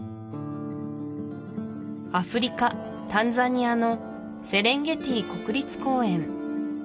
アフリカタンザニアのセレンゲティ国立公園